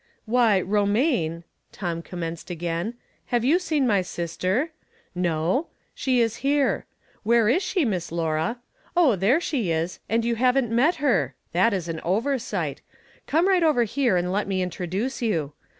" Why, Romaine," Tom commenced again, " have you seen my sister ? No ? She is here. Where is she, Miss Laura ? Oh, there she is, and you haven't met her ! That is an oversight ; come right over here and let me introduce you.